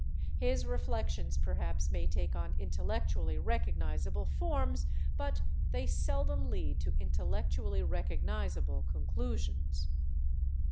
His reflections, perhaps, may take on intellectually recognizable forms, but they seldom lead to intellectually recognizable conclusions.